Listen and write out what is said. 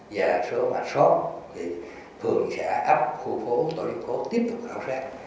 và số mà xót thì thường sẽ áp khu phố tổ địa phố tiếp tục khảo sát